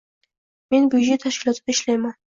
Men byudjet tashkilotida ishlayman